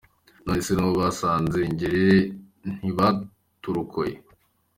none se n’ubwo basanze ngerere ntibaturokoye ?